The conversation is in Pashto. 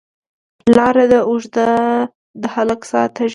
لار ده اوږده، د هلک ساه تږې ده